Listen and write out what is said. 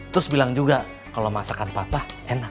terus bilang juga kalau masakan papa enak